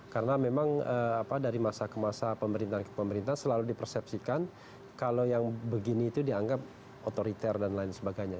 karena memang apa dari masa ke masa pemerintahan ke pemerintahan selalu dipersepsikan kalau yang begini itu dianggap otoriter dan lain sebagainya